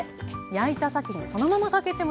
焼いたさけにそのままかけてもよし。